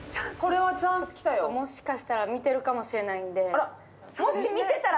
もしかしたら見てるかもしれないんで。